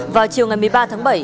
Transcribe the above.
vào chiều ngày một mươi ba tháng bảy